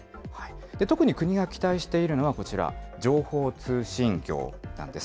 特に国が期待しているのはこちら、情報通信業なんです。